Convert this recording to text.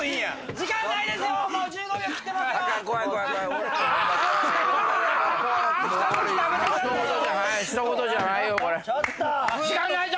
時間ないぞ！